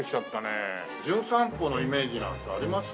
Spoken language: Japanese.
『じゅん散歩』のイメージなんてあります？